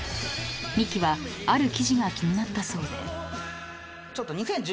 ［ミキはある記事が気になったそうで］